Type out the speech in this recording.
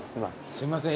すいません。